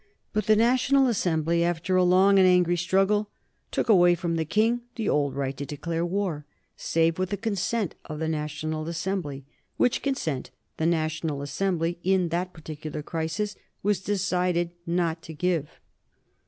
But the National Assembly, after a long and angry struggle, took away from the King the old right to declare war, save with the consent of the National Assembly, which consent the National Assembly, in that particular crisis, was decided not to give.